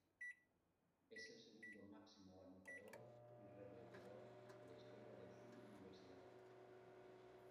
Es el segundo máximo anotador y reboteador de la historia de su universidad.